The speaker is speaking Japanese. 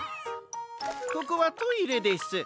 ここはトイレです。